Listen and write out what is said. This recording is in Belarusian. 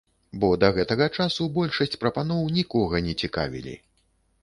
Бо да гэтага часу большасць прапаноў нікога не цікавілі.